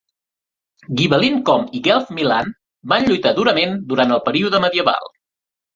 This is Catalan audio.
Ghibelline Com i Guelph Milan van lluitar durament durant el període medieval.